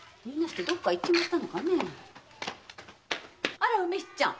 あら梅七ちゃん。